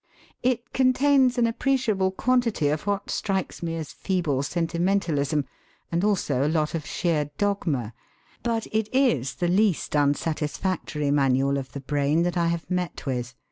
It contains an appreciable quantity of what strikes me as feeble sentimentalism, and also a lot of sheer dogma. But it is the least unsatisfactory manual of the brain that I have met with.